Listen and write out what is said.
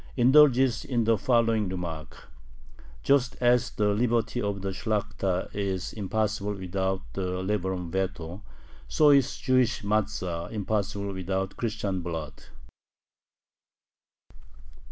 indulges in the following remark: "Just as the liberty of the Shlakhta is impossible without the liberum veto, so is the Jewish matza impossible without Christian blood."